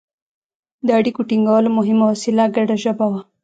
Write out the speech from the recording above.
د اړیکو ټینګولو مهمه وسیله ګډه ژبه وه.